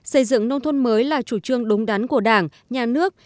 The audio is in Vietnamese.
xây dựng nông thôn mới là chủ trương đúng đắn của đảng nhà nước